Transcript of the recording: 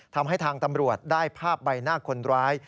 ทำให้ทางตำรวจได้ภาพใบหน้าคนร้าย